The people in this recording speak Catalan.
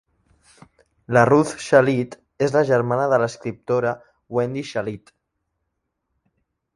La Ruth Shalit és la germana de l'escriptora Wendy Shalit.